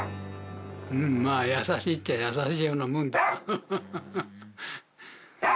まあ優しいっちゃ優しいようなもんだ。